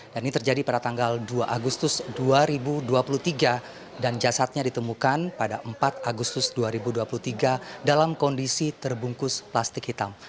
dan ini terjadi pada tanggal dua agustus dua ribu dua puluh tiga dan jasadnya ditemukan pada empat agustus dua ribu dua puluh tiga dalam kondisi terbungkus plastik hitam